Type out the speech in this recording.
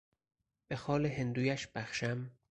به خال هندویش بخشم...